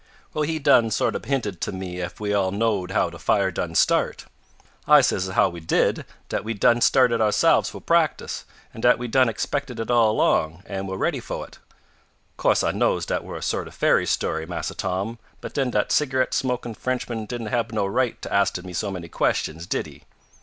"Well, he done sort ob hinted t' me ef we all knowed how de fire done start. I says as how we did, dat we done start it ourse'ves fo' practice, an dat we done expected it all along, an' were ready fo' it. Course I knows dat were a sort of fairy story, Massa Tom, but den dat cigarette smokin' Frenchman didn't hab no right t' asted me so many questions, did he?"